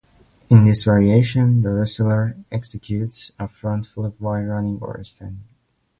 In this variation the wrestler executes a front flip while running or standing.